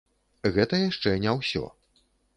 Гэта яшчэ не ўсё.